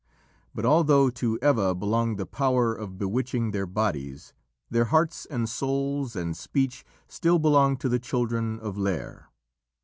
But although to Eva belonged the power of bewitching their bodies, their hearts and souls and speech still belonged to the children of Lîr.